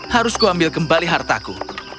harusku ambil kembali hartaku